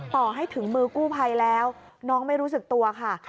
ต่อให้ถึงมือกู้ภัยแล้วน้องไม่รู้สึกตัวค่ะ